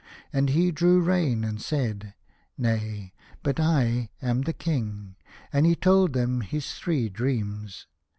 And he drew rein and said, " Nay, but I am the King." And he told them his three dreams.